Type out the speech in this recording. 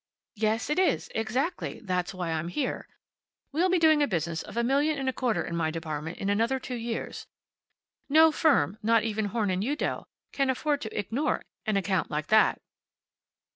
"Yes, it is. Exactly. That's why I'm here. We'll be doing a business of a million and a quarter in my department in another two years. No firm, not even Horn & Udell, can afford to ignore an account like that."